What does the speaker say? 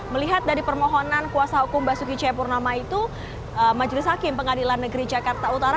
melihat dari permohonan kuasa hukum basuki cepurnama itu majelis hakim pengadilan negeri jakarta utara